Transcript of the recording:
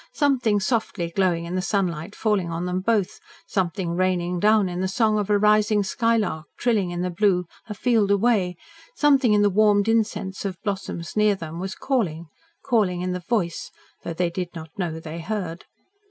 Something softly glowing in the sunlight falling on them both, something raining down in the song of a rising skylark trilling in the blue a field away, something in the warmed incense of blossoms near them, was calling calling in the Voice, though they did not know they heard.